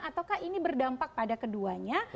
ataukah ini berdampak pada keduanya